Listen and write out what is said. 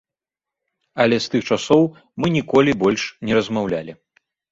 Але з тых часоў мы ніколі больш не размаўлялі.